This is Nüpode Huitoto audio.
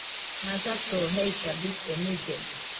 Masato jeika bite mullede.